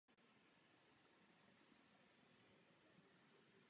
Mohl bych na závěr zmínit také dvě důležité nevyřešené záležitosti?